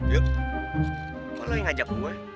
kok lu yang ngajak gue